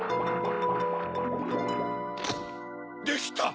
できた！